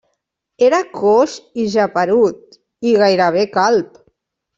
Era coix i geperut i gairebé calb.